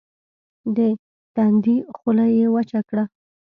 د تندي خوله يې وچه کړه.